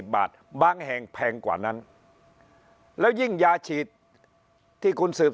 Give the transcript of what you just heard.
บางแห่งแพงกว่านั้นแล้วยิ่งยาฉีดที่คุณสืบ